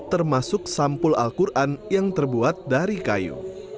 termasuk sampul al quran yang terbuat dari kayu